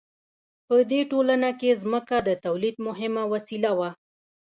په دې ټولنه کې ځمکه د تولید مهمه وسیله وه.